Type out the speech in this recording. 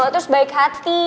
terus baik hati